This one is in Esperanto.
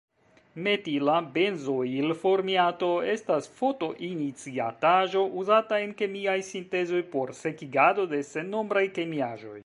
Metila benzoilformiato estas fotoiniciataĵo uzata en kemiaj sintezoj por sekigado de sennombraj kemiaĵoj.